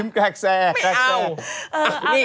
ไม่เอา